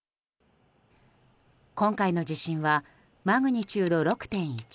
今回の地震はマグニチュード６．１。